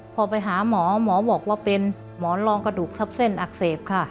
พอไปหาหมอหมอบอกว่าเป็นหมอนรองกระดูกทับเส้นอักเสบค่ะ